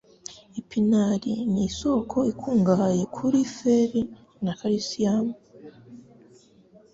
Epinari ni isoko ikungahaye kuri fer na calcium.